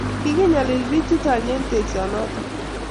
kikiinyalil biik chechjang eng tekso notok